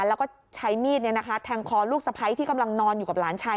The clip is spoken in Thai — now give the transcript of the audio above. แล้วก็ใช้มีดแทงคอลูกสะพ้ายที่กำลังนอนอยู่กับหลานชาย